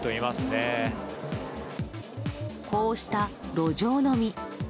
こうした路上飲み。